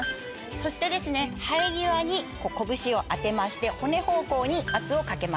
そして生え際に拳を当てまして骨方向に圧をかけます。